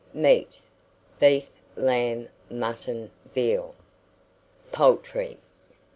MEAT. Beef, lamb, mutton, veal. POULTRY.